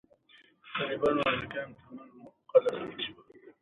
د طالبانو او امریکایانو ترمنځ موافقه لاسلیک سوه.